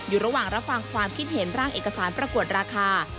อยู่ระหว่างรับฟังความคิดเห็นร่างเอกสารประกวดราคา